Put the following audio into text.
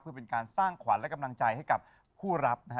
เพื่อเป็นการสร้างขวัญและกำลังใจให้กับผู้รับนะฮะ